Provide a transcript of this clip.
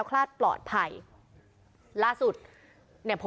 วิทยาลัยศาสตรี